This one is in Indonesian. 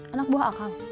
anak buah akang